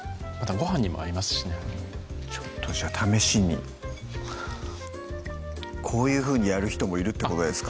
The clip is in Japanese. ごはんにも合いますしねちょっと試しにこういうふうにやる人もいるってことですか？